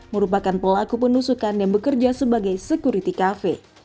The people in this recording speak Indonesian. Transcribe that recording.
merupakan pelaku penusukan yang bekerja sebagai security cafe